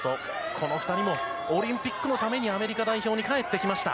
この２人もオリンピックのためにアメリカ代表に帰ってきました。